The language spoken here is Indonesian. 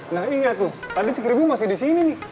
nah iya tuh tadi si keribu masih di sini nih